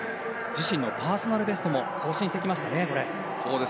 自身のパーソナルベストも更新してきましたね。